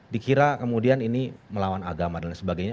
dikira kemudian ini melawan agama dan lain sebagainya